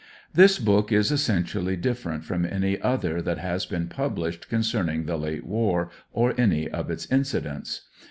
This book is essentially different from any other that has been published concerning the "late war " or any of its incidents.